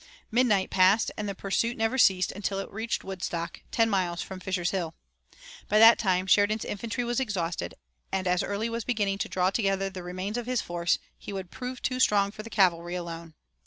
Midnight passed and the pursuit never ceased until it reached Woodstock, ten miles from Fisher's Hill. By that time Sheridan's infantry was exhausted, and as Early was beginning to draw together the remains of his force he would prove too strong for the cavalry alone.